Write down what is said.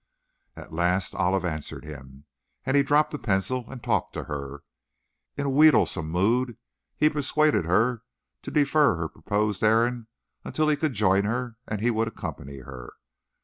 At last Olive answered him, and he dropped the pencil and talked to her. In a wheedlesome mood, he persuaded her to defer her proposed errand until he could join her and he would accompany her.